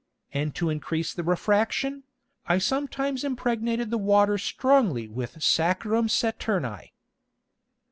And to increase the Refraction, I sometimes impregnated the Water strongly with Saccharum Saturni.